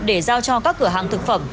để giao cho các cửa hàng thực phẩm